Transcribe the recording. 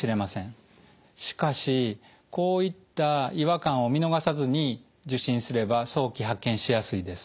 しかしこういった違和感を見逃さずに受診すれば早期発見しやすいです。